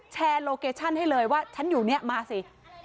โลเคชั่นให้เลยว่าฉันอยู่เนี่ยมาสิ